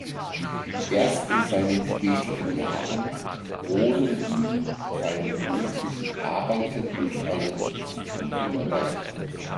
Erst in seinen späteren Jahren wurden ihm seine beruflichen Arbeiten durch einen Substituten erleichtert.